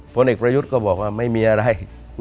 ผลเอกประยุทธ์ก็บอกว่าไม่มีอะไร